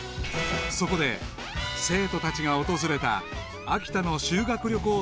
［そこで生徒たちが訪れた秋田の修学旅行スポットへ］